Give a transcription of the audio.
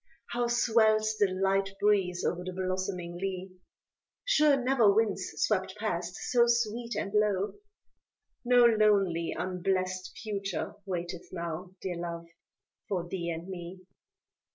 How swells the light breeze o'er the blossoming lea, Sure never winds swept past so sweet and low, No lonely, unblest future waiteth now; Dear Love for thee and me.